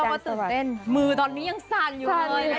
เชื่อว่าตื่นเต้นมือตอนนี้ยังสั่งอยู่เลย